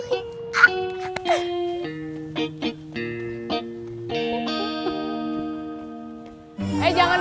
mendingan aku ke kang kusoy